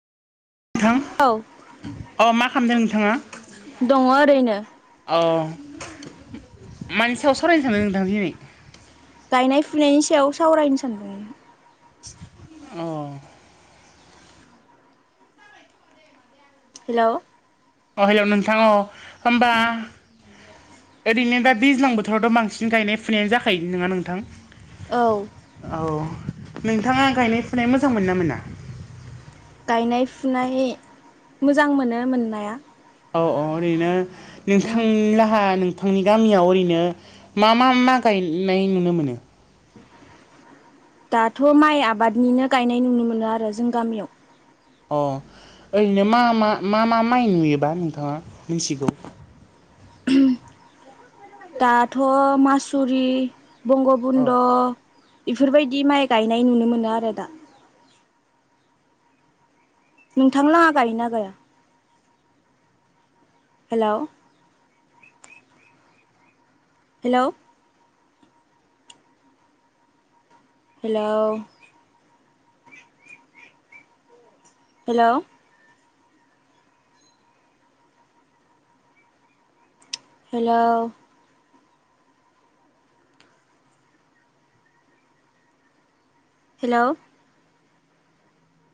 औ नोंथां अ मा खालामदों नोंथाङा दङ ओरैनो अ मानि सायाव सावरायनो सानदों नोंथां दिनै गायनाय फुनायनि सायाव सावरायनो सानदों अ हेलौ अ हेल' नोंथां अ होमबा ओरैनो दा दैज्लां बोथोरावथ' बांसिन गायनाय फुनायानो जाखायो नोङा नोंथां औ औ नोंथाङा गायनाय फुनाय मोजां मोनोना मोना गायनाय फुनाय मोजां मोनो मोननाया औ औ ओरैनो नोंथां लाहा नों थांनि गामियाव ओरैनो मा मा गायनाय नुनो मोनो दाथ' माइ आबादनिनो गायनाय नुनो मोनो आरो जों गामियाव अ ओरैनो मा मा मा मा माइ नुयोबा नोंथाङा मिथिगौ दाथ' मासुरि औ बंगबुध बेफोरबायदि माइ गायनाय नुनो मोनो आरो दा नोंथां लाङा गायोना गाया hello hello hello hello hello hello